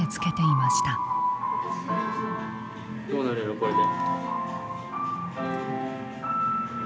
どうなるやろこれで。